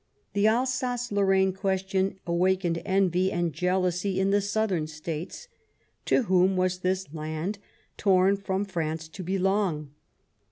The Alsace Lorraine question awakened envy and jealousy in the Southern States ; to whom was this land torn from France to belong